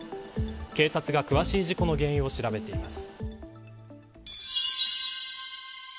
警察が詳しい事故の原因を調べています。